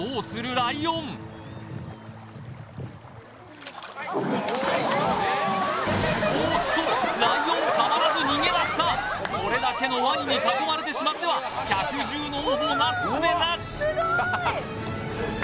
ライオンおーっとライオンたまらず逃げ出したこれだけのワニに囲まれてしまっては百獣の王もなすすべなし